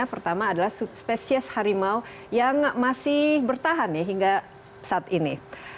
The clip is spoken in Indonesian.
pertama adalah subspesies harimau yang masih bertahan hingga saat ini